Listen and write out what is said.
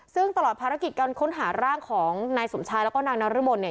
ซึ่งตลอดภารกิจการค้นหาร่างของนายสมชายแล้วก็นางนรมนเนี่ย